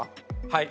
はい。